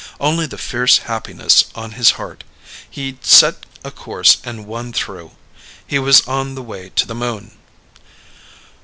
Only the fierce happiness on his heart. He'd set a course and won through! He was on the way to the Moon!